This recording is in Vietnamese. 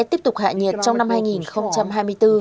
tiếp tục hạ nhiệt trong năm hai nghìn hai mươi bốn